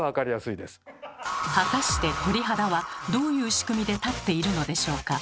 果たして鳥肌はどういう仕組みで立っているのでしょうか？